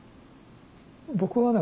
僕はね